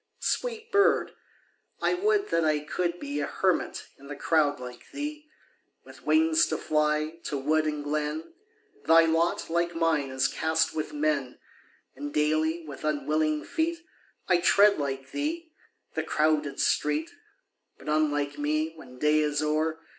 a (89) Sweet bird ! I would that I could be A hermit in the crowd like thee ! With wings to fly to wood and glen, Thy lot, like mine, is .cast with men; And daily, with unwilling feet, 1 tread, like thee, the crowded street ; But, unlike me, when day is o'er.